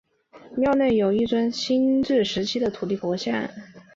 庙内有一尊清治时期的土地婆像。